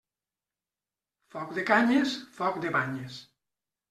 Foc de canyes, foc de banyes.